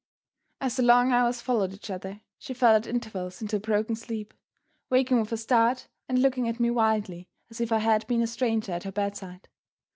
As the long hours followed each other, she fell at intervals into a broken sleep; waking with a start, and looking at me wildly as if I had been a stranger at her bedside.